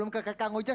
ke kang ucah